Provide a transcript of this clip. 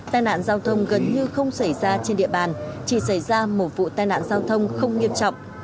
tai nạn giao thông gần như không xảy ra trên địa bàn chỉ xảy ra một vụ tai nạn giao thông không nghiêm trọng